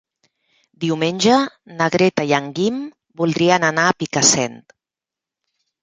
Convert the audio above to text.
Diumenge na Greta i en Guim voldrien anar a Picassent.